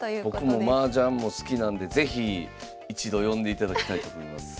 僕もマージャンも好きなんで是非一度呼んでいただきたいと思います。